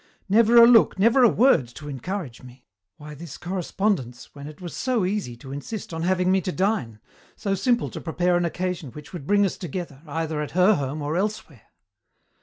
Never a look, never a word to encourage me. Why this correspondence, when it was so easy to insist on having me to dine, so simple to prepare an occasion which would bring us together, either at her home or elsewhere?"